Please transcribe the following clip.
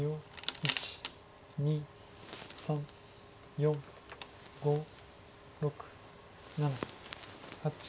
１２３４５６７８。